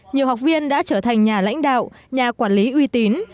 nhiều học viên đã trở thành nhà lãnh đạo nhà quản lý uy tín